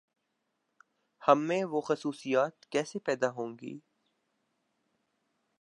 ہم میں وہ خصوصیات کیسے پیداہونگی؟